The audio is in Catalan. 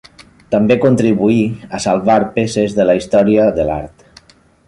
També contribuí a salvar peces de la història de l'art.